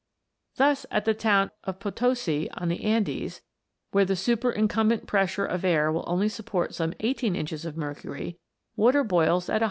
Thus at the town of Potosi, on the Andes, where the stiper incumbent pressure of air will only support some eighteen inches of mercury, water boils at 188.